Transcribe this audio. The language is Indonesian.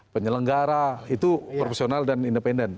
penyelenggara itu profesional dan independen